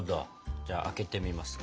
じゃあ開けてみますか。